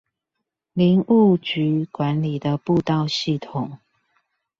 林務局管理的步道系統